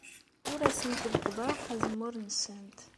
Ur asent-d-leqqḍeɣ azemmur-nsent.